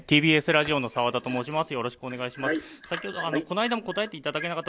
ＴＢＳラジオのさわだと申します。